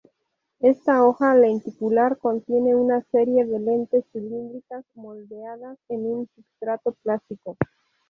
Esta hoja lenticular contiene una serie de lentes cilíndricas moldeadas en un substrato plástico.